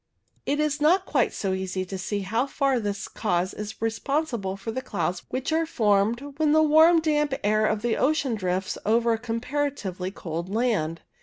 It is not quite so easy to see how far this cause is responsible for the clouds which are formed when the warm damp air of the ocean drifts over a comparatively cold land.